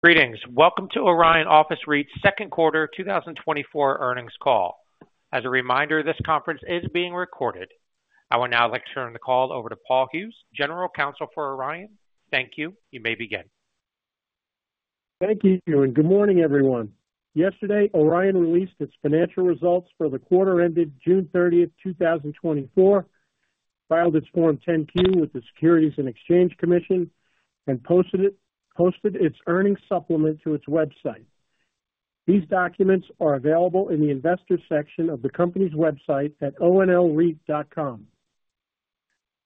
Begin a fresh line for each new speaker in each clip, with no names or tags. Greetings. Welcome to Orion Office REIT's second quarter 2024 earnings call. As a reminder, this conference is being recorded. I would now like to turn the call over to Paul Hughes, General Counsel for Orion. Thank you. You may begin.
Thank you, and good morning, everyone. Yesterday, Orion released its financial results for the quarter ended June 30th, 2024, filed its Form 10-Q with the Securities and Exchange Commission, and posted its earnings supplement to its website. These documents are available in the Investors section of the company's website at onreit.com.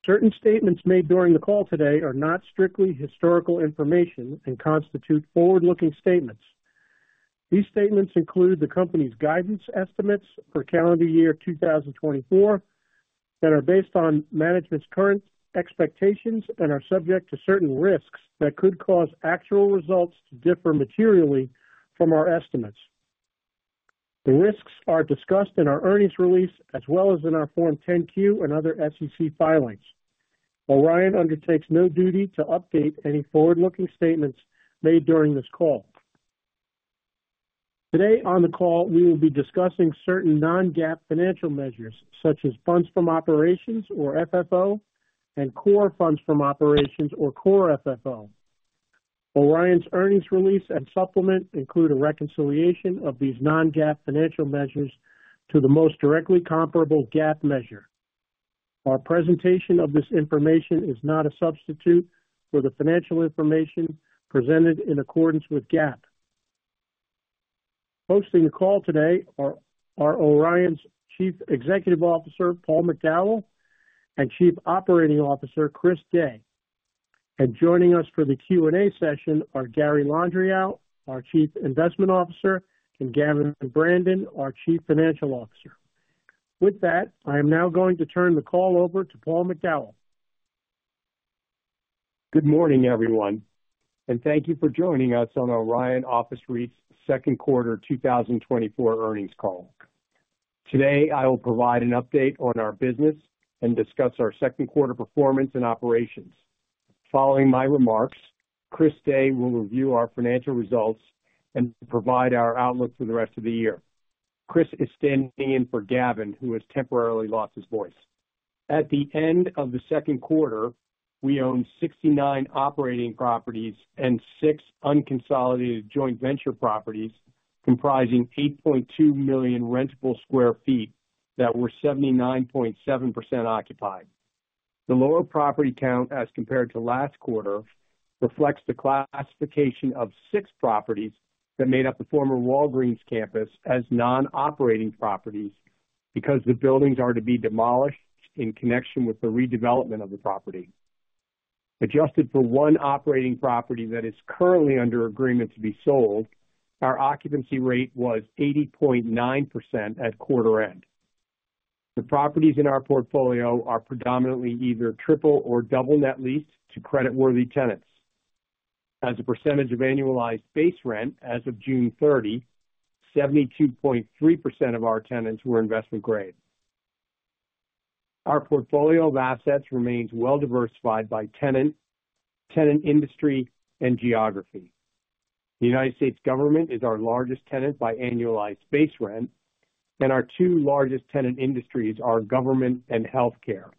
Certain statements made during the call today are not strictly historical information and constitute forward-looking statements. These statements include the company's guidance estimates for calendar year 2024, that are based on management's current expectations and are subject to certain risks that could cause actual results to differ materially from our estimates. The risks are discussed in our earnings release as well as in our Form 10-Q and other SEC filings. Orion undertakes no duty to update any forward-looking statements made during this call. Today, on the call, we will be discussing certain non-GAAP financial measures, such as funds from operations or FFO, and core funds from operations or core FFO. Orion's earnings release and supplement include a reconciliation of these non-GAAP financial measures to the most directly comparable GAAP measure. Our presentation of this information is not a substitute for the financial information presented in accordance with GAAP. Hosting the call today are Orion's Chief Executive Officer, Paul McDowell, and Chief Operating Officer, Chris Day. And joining us for the Q&A session are Gary Landriau, our Chief Investment Officer, and Gavin Brandon, our Chief Financial Officer. With that, I am now going to turn the call over to Paul McDowell.
Good morning, everyone, and thank you for joining us on Orion Office REIT's second quarter 2024 earnings call. Today, I will provide an update on our business and discuss our second quarter performance and operations. Following my remarks, Chris Day will review our financial results and provide our outlook for the rest of the year. Chris is standing in for Gavin, who has temporarily lost his voice. At the end of the second quarter, we owned 69 operating properties and 6 unconsolidated joint venture properties, comprising 8.2 million rentable sq ft that were 79.7% occupied. The lower property count, as compared to last quarter, reflects the classification of 6 properties that made up the former Walgreens campus as non-operating properties, because the buildings are to be demolished in connection with the redevelopment of the property. Adjusted for 1 operating property that is currently under agreement to be sold, our occupancy rate was 80.9% at quarter end. The properties in our portfolio are predominantly either triple or double net leased to creditworthy tenants. As a percentage of annualized base rent as of June 30, 72.3% of our tenants were investment-grade. Our portfolio of assets remains well-diversified by tenant, tenant industry, and geography. The United States Government is our largest tenant by annualized base rent, and our 2 largest tenant industries are government and healthcare.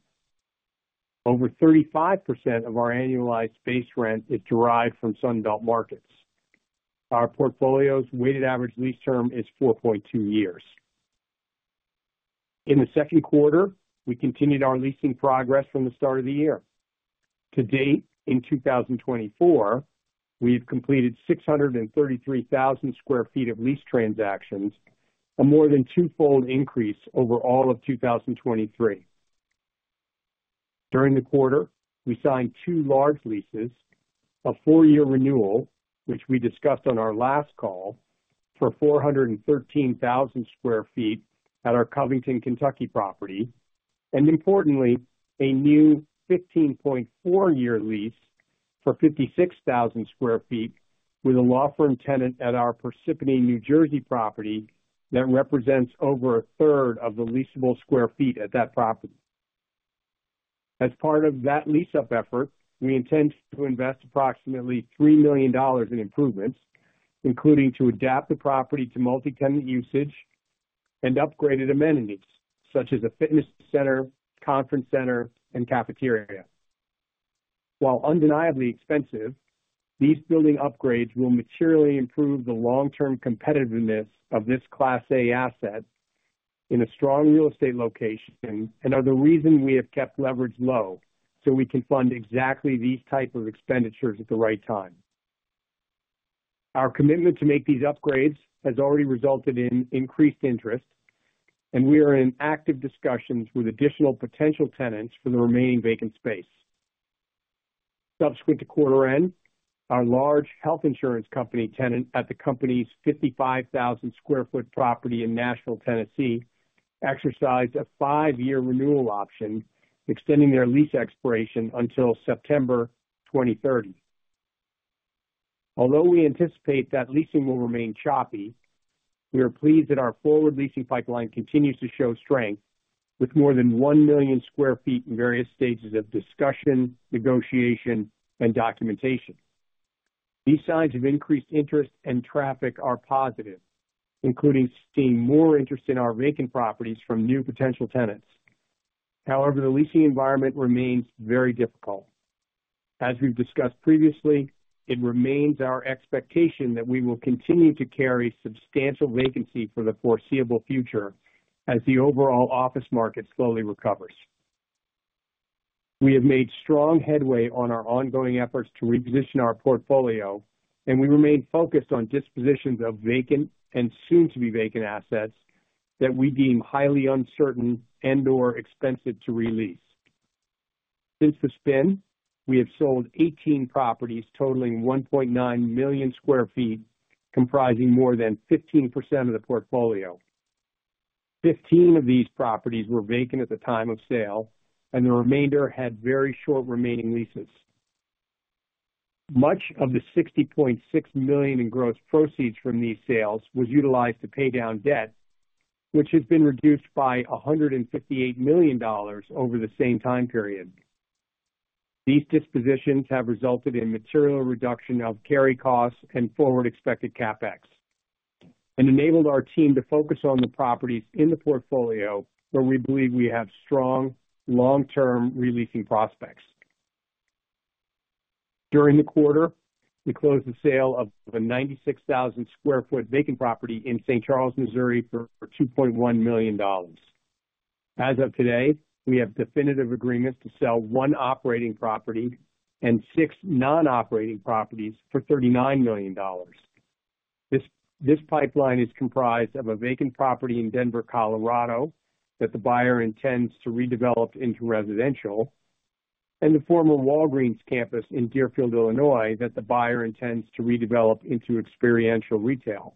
Over 35% of our annualized base rent is derived from Sun Belt markets. Our portfolio's weighted average lease term is 4.2 years. In the second quarter, we continued our leasing progress from the start of the year. To date, in 2024, we've completed 633,000 sq ft of lease transactions, a more than twofold increase over all of 2023. During the quarter, we signed two large leases, a four-year renewal, which we discussed on our last call, for 413,000 sq ft at our Covington, Kentucky, property, and importantly, a new 15.4-year lease for 56,000 sq ft with a law firm tenant at our Parsippany, New Jersey, property that represents over a third of the leasable square feet at that property. As part of that lease-up effort, we intend to invest approximately $3 million in improvements, including to adapt the property to multi-tenant usage and upgraded amenities such as a fitness center, conference center, and cafeteria. While undeniably expensive, these building upgrades will materially improve the long-term competitiveness of this Class A asset in a strong real estate location and are the reason we have kept leverage low, so we can fund exactly these type of expenditures at the right time. Our commitment to make these upgrades has already resulted in increased interest, and we are in active discussions with additional potential tenants for the remaining vacant space. Subsequent to quarter end, our large health insurance company tenant at the company's 55,000 sq ft property in Nashville, Tennessee, exercised a 5-year renewal option, extending their lease expiration until September 2030. Although we anticipate that leasing will remain choppy. We are pleased that our forward leasing pipeline continues to show strength, with more than 1 million sq ft in various stages of discussion, negotiation, and documentation. These signs of increased interest and traffic are positive, including seeing more interest in our vacant properties from new potential tenants. However, the leasing environment remains very difficult. As we've discussed previously, it remains our expectation that we will continue to carry substantial vacancy for the foreseeable future as the overall office market slowly recovers. We have made strong headway on our ongoing efforts to reposition our portfolio, and we remain focused on dispositions of vacant and soon-to-be vacant assets that we deem highly uncertain and/or expensive to re-lease. Since the spin, we have sold 18 properties totaling 1.9 million sq ft, comprising more than 15% of the portfolio. 15 of these properties were vacant at the time of sale, and the remainder had very short remaining leases. Much of the $60.6 million in gross proceeds from these sales was utilized to pay down debt, which has been reduced by $158 million over the same time period. These dispositions have resulted in material reduction of carry costs and forward expected CapEx, and enabled our team to focus on the properties in the portfolio where we believe we have strong long-term re-leasing prospects. During the quarter, we closed the sale of a 96,000 sq ft vacant property in St. Charles, Missouri, for $2.1 million. As of today, we have definitive agreements to sell one operating property and six non-operating properties for $39 million. This pipeline is comprised of a vacant property in Denver, Colorado, that the buyer intends to redevelop into residential, and the former Walgreens campus in Deerfield, Illinois, that the buyer intends to redevelop into experiential retail.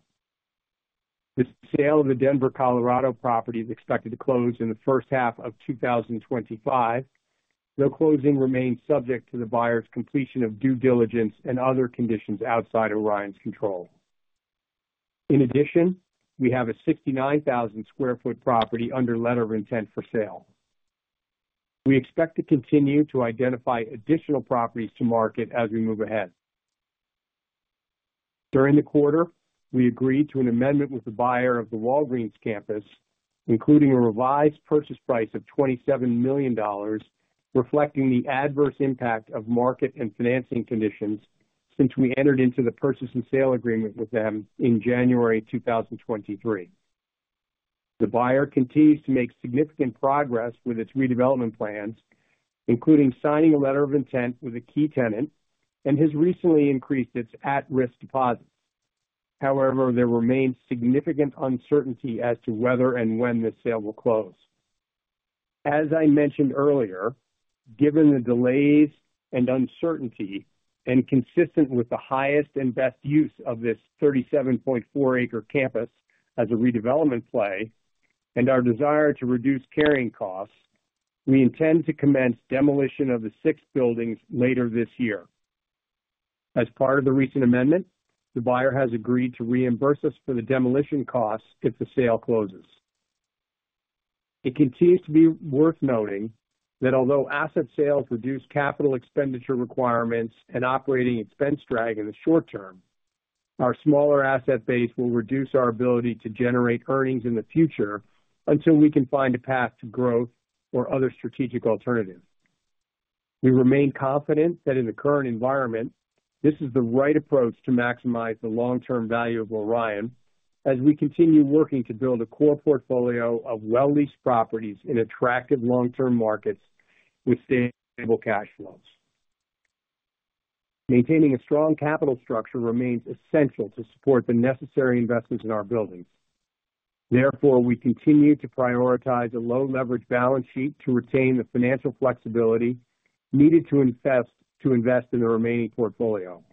The sale of the Denver, Colorado, property is expected to close in the first half of 2025, though closing remains subject to the buyer's completion of due diligence and other conditions outside Orion's control. In addition, we have a 69,000 sq ft property under letter of intent for sale. We expect to continue to identify additional properties to market as we move ahead. During the quarter, we agreed to an amendment with the buyer of the Walgreens campus, including a revised purchase price of $27 million, reflecting the adverse impact of market and financing conditions since we entered into the purchase and sale agreement with them in January 2023. The buyer continues to make significant progress with its redevelopment plans, including signing a letter of intent with a key tenant, and has recently increased its at-risk deposit. However, there remains significant uncertainty as to whether and when the sale will close. As I mentioned earlier, given the delays and uncertainty, and consistent with the highest and best use of this 37.4-acre campus as a redevelopment play and our desire to reduce carrying costs, we intend to commence demolition of the six buildings later this year. As part of the recent amendment, the buyer has agreed to reimburse us for the demolition costs if the sale closes. It continues to be worth noting that although asset sales reduce capital expenditure requirements and operating expense drag in the short term, our smaller asset base will reduce our ability to generate earnings in the future until we can find a path to growth or other strategic alternatives. We remain confident that in the current environment, this is the right approach to maximize the long-term value of Orion as we continue working to build a core portfolio of well-leased properties in attractive long-term markets with stable cash flows. Maintaining a strong capital structure remains essential to support the necessary investments in our buildings. Therefore, we continue to prioritize a low leverage balance sheet to retain the financial flexibility needed to invest, to invest in the remaining portfolio.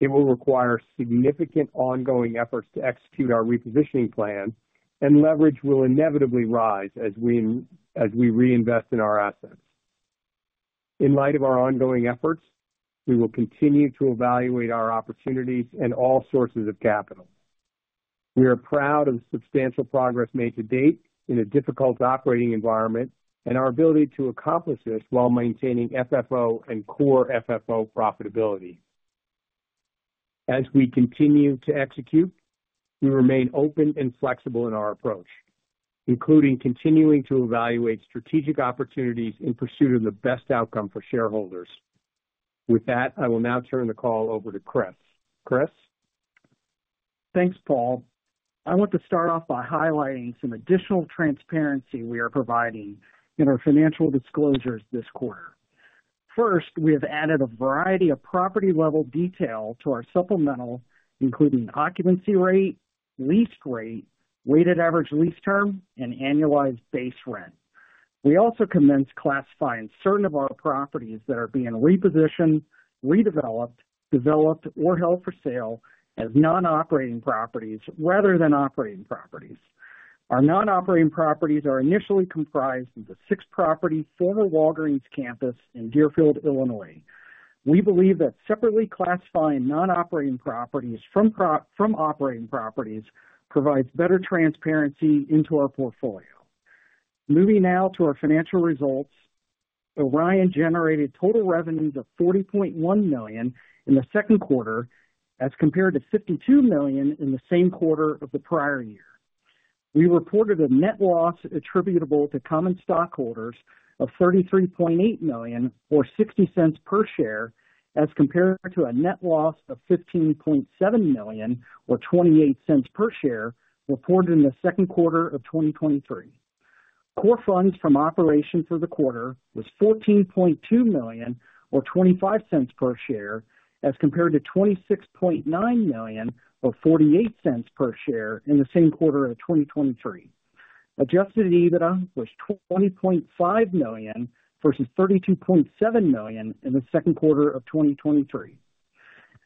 It will require significant ongoing efforts to execute our repositioning plan, and leverage will inevitably rise as we reinvest in our assets. In light of our ongoing efforts, we will continue to evaluate our opportunities and all sources of capital. We are proud of the substantial progress made to date in a difficult operating environment and our ability to accomplish this while maintaining FFO and core FFO profitability. As we continue to execute, we remain open and flexible in our approach, including continuing to evaluate strategic opportunities in pursuit of the best outcome for shareholders. With that, I will now turn the call over to Chris. Chris?
Thanks, Paul. I want to start off by highlighting some additional transparency we are providing in our financial disclosures this quarter. First, we have added a variety of property-level detail to our supplemental, including occupancy rate, lease rate, weighted average lease term, and annualized base rent. We also commenced classifying certain of our properties that are being repositioned, redeveloped, developed, or held for sale as non-operating properties rather than operating properties. Our non-operating properties are initially comprised of the six-property former Walgreens campus in Deerfield, Illinois. We believe that separately classifying non-operating properties from operating properties provides better transparency into our portfolio. Moving now to our financial results. Orion generated total revenues of $40.1 million in the second quarter, as compared to $52 million in the same quarter of the prior year. We reported a net loss attributable to common stockholders of $33.8 million, or $0.60 per share, as compared to a net loss of $15.7 million, or $0.28 per share, reported in the second quarter of 2023. Core Funds From Operations for the quarter was $14.2 million, or $0.25 per share, as compared to $26.9 million, or $0.48 per share, in the same quarter of 2023. Adjusted EBITDA was $20.5 million versus $32.7 million in the second quarter of 2023.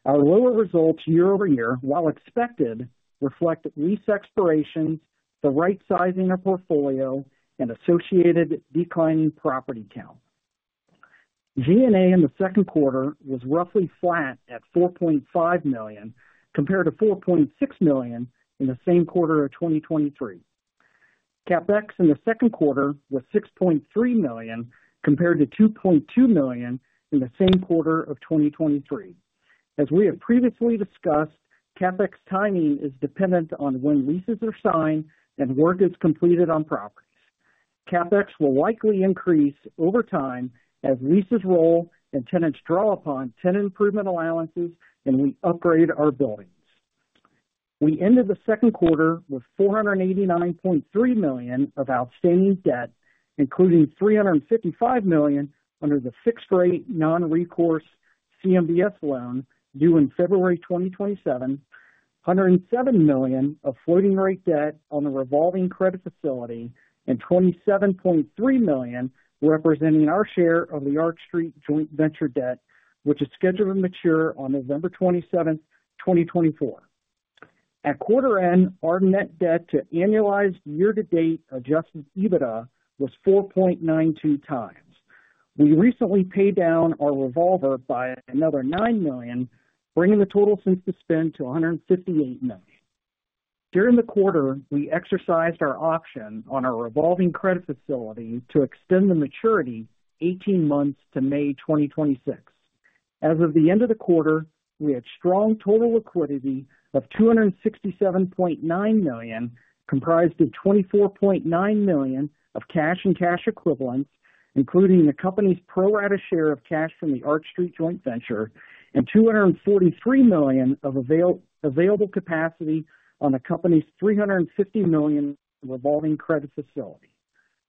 Our lower results year-over-year, while expected, reflect lease expirations, the right sizing of portfolio, and associated declining property count. G&A in the second quarter was roughly flat at $4.5 million, compared to $4.6 million in the same quarter of 2023. CapEx in the second quarter was $6.3 million, compared to $2.2 million in the same quarter of 2023. As we have previously discussed, CapEx timing is dependent on when leases are signed and work is completed on properties. CapEx will likely increase over time as leases roll and tenants draw upon tenant improvement allowances, and we upgrade our buildings. We ended the second quarter with $489.3 million of outstanding debt, including $355 million under the fixed rate non-recourse CMBS loan due in February 2027, $107 million of floating rate debt on the revolving credit facility, and $27.3 million, representing our share of the Arch Street Joint Venture debt, which is scheduled to mature on November 27th, 2024. At quarter end, our net debt to annualized year-to-date Adjusted EBITDA was 4.92x. We recently paid down our revolver by another $9 million, bringing the total since the spend to $158 million. During the quarter, we exercised our option on our revolving credit facility to extend the maturity 18 months to May 2026. As of the end of the quarter, we had strong total liquidity of $267.9 million, comprised of $24.9 million of cash and cash equivalents, including the company's pro rata share of cash from the Arch Street Joint Venture, and $243 million of available capacity on the company's $350 million revolving credit facility.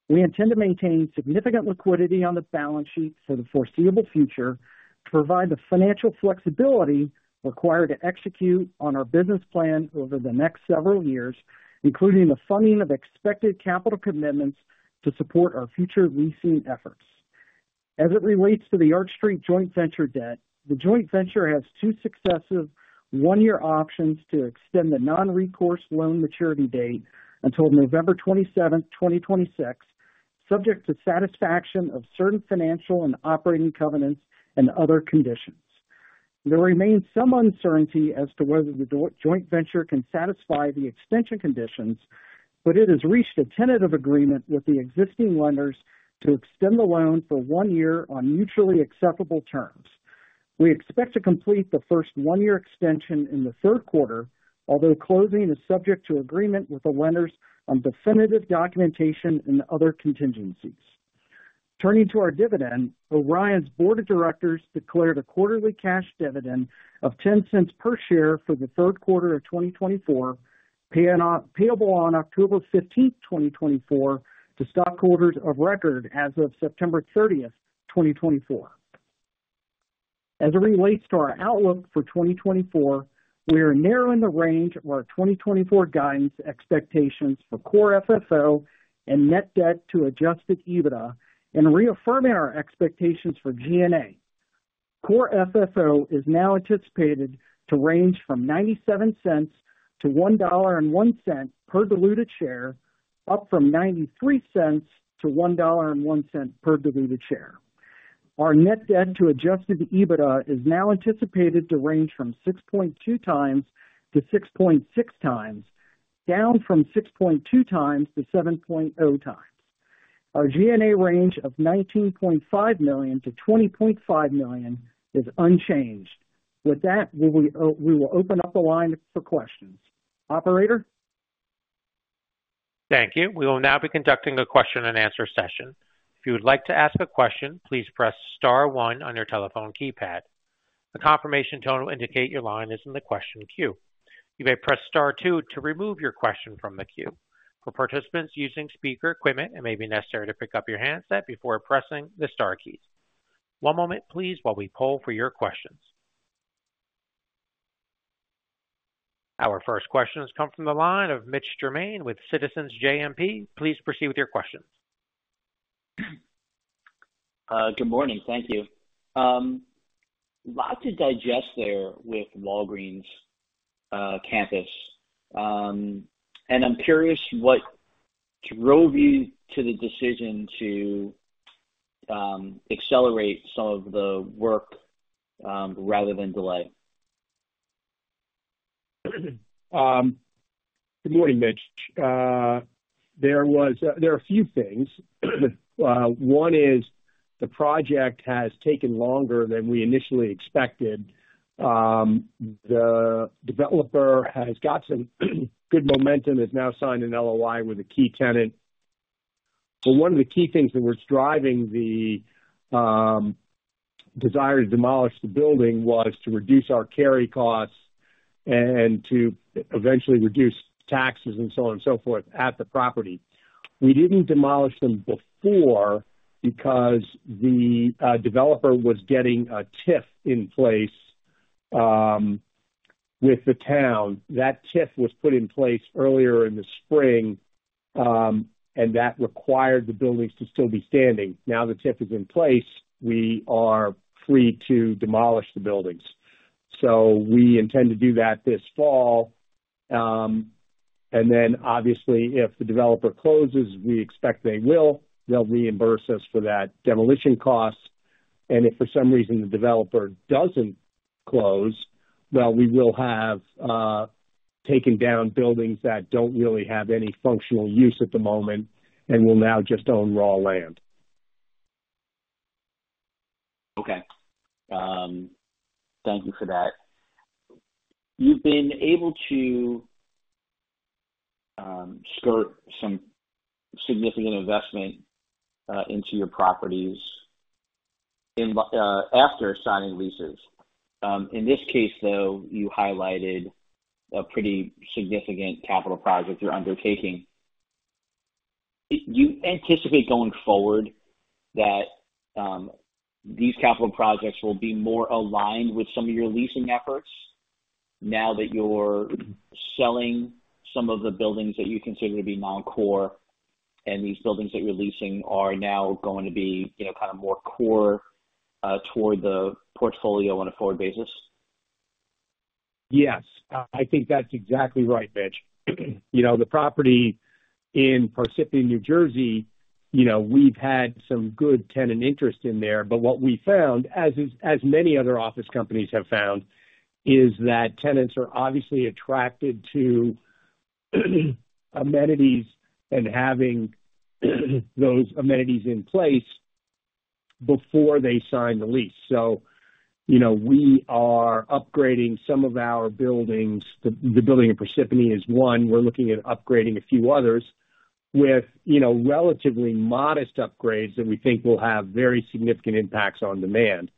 We intend to maintain significant liquidity on the balance sheet for the foreseeable future, to provide the financial flexibility required to execute on our business plan over the next several years, including the funding of expected capital commitments to support our future leasing efforts. As it relates to the Arch Street Joint Venture debt, the joint venture has two successive one-year options to extend the non-recourse loan maturity date until November 27th, 2026, subject to satisfaction of certain financial and operating covenants and other conditions. There remains some uncertainty as to whether the joint venture can satisfy the extension conditions, but it has reached a tentative agreement with the existing lenders to extend the loan for one year on mutually acceptable terms. We expect to complete the first one-year extension in the third quarter, although closing is subject to agreement with the lenders on definitive documentation and other contingencies. Turning to our dividend, Orion's board of directors declared a quarterly cash dividend of $0.10 per share for the third quarter of 2024, payable on October 15th, 2024, to stockholders of record as of September 30, 2024. As it relates to our outlook for 2024, we are narrowing the range of our 2024 guidance expectations for Core FFO and net debt to Adjusted EBITDA and reaffirming our expectations for G&A. Core FFO is now anticipated to range from $0.97-$1.01 per diluted share, up from $0.93-$1.01 per diluted share. Our net debt to Adjusted EBITDA is now anticipated to range from 6.2x-6.6x, down from 6.2x-7.0x. Our G&A range of $19.5 million-$20.5 million is unchanged. With that, we will open up the line for questions. Operator?
Thank you. We will now be conducting a question-and-answer session. If you would like to ask a question, please press star one on your telephone keypad. A confirmation tone will indicate your line is in the question queue. You may press star two to remove your question from the queue. For participants using speaker equipment, it may be necessary to pick up your handset before pressing the star keys. One moment please, while we poll for your questions. Our first question has come from the line of Mitch Germain with Citizens JMP. Please proceed with your questions.
Good morning. Thank you. A lot to digest there with Walgreens campus. And I'm curious, what drove you to the decision to accelerate some of the work rather than delay?
Good morning, Mitch. There are a few things. One is, the project has taken longer than we initially expected. The developer has got some good momentum, has now signed an LOI with a key tenant. But one of the key things that was driving the desire to demolish the building was to reduce our carry costs and to eventually reduce taxes and so on and so forth at the property. We didn't demolish them before because the developer was getting a TIF in place with the town. That TIF was put in place earlier in the spring, and that required the buildings to still be standing. Now, the TIF is in place, we are free to demolish the buildings. So we intend to do that this fall. And then obviously, if the developer closes, we expect they will, they'll reimburse us for that demolition cost. And if for some reason the developer doesn't close, well, we will have taken down buildings that don't really have any functional use at the moment, and we'll now just own raw land.
Okay. Thank you for that. You've been able to skirt some significant investment into your properties in after signing leases. In this case, though, you highlighted a pretty significant capital project you're undertaking. Do you anticipate going forward that these capital projects will be more aligned with some of your leasing efforts now that you're selling some of the buildings that you consider to be non-core, and these buildings that you're leasing are now going to be, you know, kind of more core toward the portfolio on a forward basis?
Yes, I think that's exactly right, Mitch. You know, the property in Parsippany, New Jersey, you know, we've had some good tenant interest in there, but what we found, as is, as many other office companies have found, is that tenants are obviously attracted to amenities and having those amenities in place before they sign the lease. So, you know, we are upgrading some of our buildings. The building in Parsippany is one. We're looking at upgrading a few others with, you know, relatively modest upgrades that we think will have very significant impacts on demand.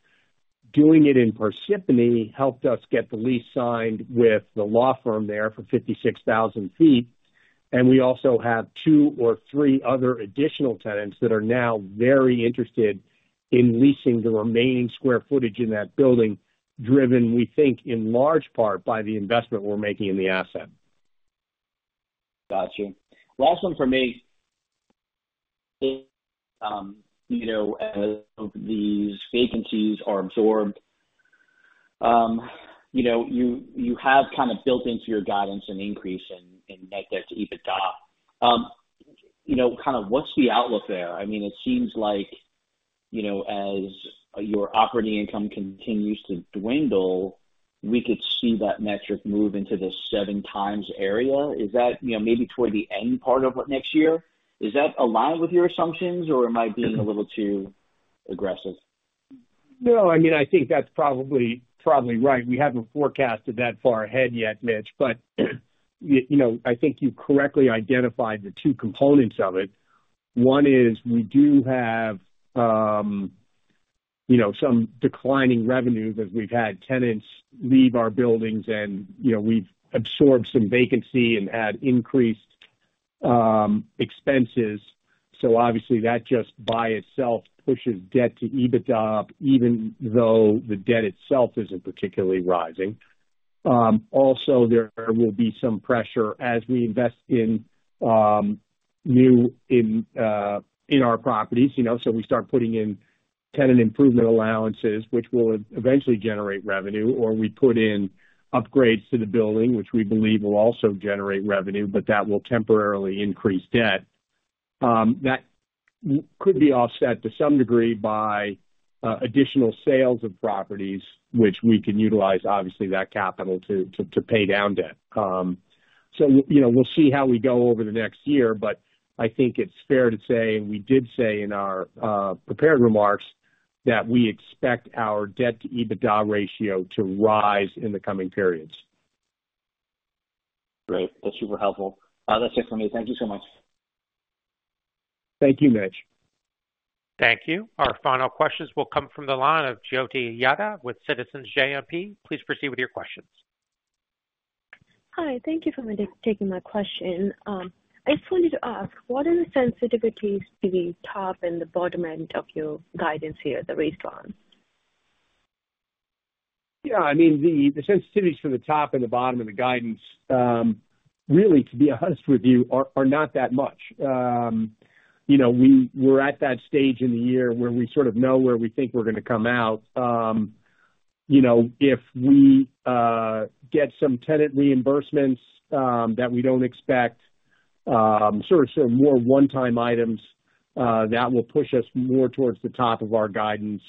Doing it in Parsippany helped us get the lease signed with the law firm there for 56,000 sq ft, and we also have two or three other additional tenants that are now very interested in leasing the remaining square footage in that building, driven, we think, in large part by the investment we're making in the asset.
Got you. Last one for me. You know, as these vacancies are absorbed, you know, you have kind of built into your guidance an increase in net debt to EBITDA. You know, kind of what's the outlook there? I mean, it seems like, you know, as your operating income continues to dwindle, we could see that metric move into the 7x area. Is that, you know, maybe toward the end part of what next year? Is that aligned with your assumptions, or am I being a little too aggressive?
No, I mean, I think that's probably, probably right. We haven't forecasted that far ahead yet, Mitch, but, you know, I think you correctly identified the two components of it. One is we do have, you know, some declining revenues as we've had tenants leave our buildings and, you know, we've absorbed some vacancy and had increased expenses. So obviously, that just by itself pushes debt to EBITDA, even though the debt itself isn't particularly rising. Also, there will be some pressure as we invest in new in, in our properties, you know, so we start putting in tenant improvement allowances, which will eventually generate revenue, or we put in upgrades to the building, which we believe will also generate revenue, but that will temporarily increase debt. That could be offset to some degree by additional sales of properties, which we can utilize, obviously, that capital to pay down debt. So, you know, we'll see how we go over the next year, but I think it's fair to say, and we did say in our prepared remarks, that we expect our debt-to-EBITDA ratio to rise in the coming periods.
Great. That's super helpful. That's it for me. Thank you so much.
Thank you, Mitch.
Thank you. Our final questions will come from the line of Jyoti Yadav with Citizens JMP. Please proceed with your questions.
Hi, thank you for taking my question. I just wanted to ask, what are the sensitivities to the top and the bottom end of your guidance here, the range one?
Yeah, I mean, the sensitivities from the top and the bottom of the guidance, really, to be honest with you, are not that much. You know, we're at that stage in the year where we sort of know where we think we're gonna come out. You know, if we get some tenant reimbursements that we don't expect, sort of more one-time items, that will push us more towards the top of our guidance.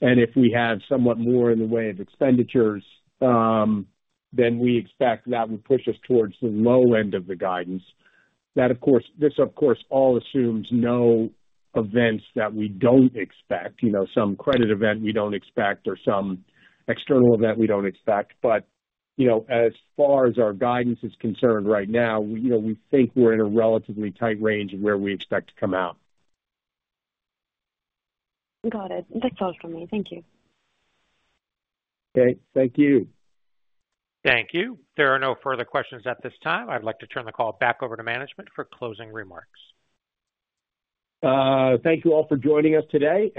And if we have somewhat more in the way of expenditures, then we expect that will push us towards the low end of the guidance. That, of course. This, of course, all assumes no events that we don't expect, you know, some credit event we don't expect or some external event we don't expect. You know, as far as our guidance is concerned right now, you know, we think we're in a relatively tight range of where we expect to come out.
Got it. That's all from me. Thank you.
Okay, thank you.
Thank you. There are no further questions at this time. I'd like to turn the call back over to management for closing remarks.
Thank you all for joining us today.